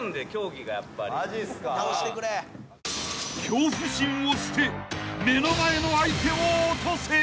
［恐怖心を捨て目の前の相手を落とせ］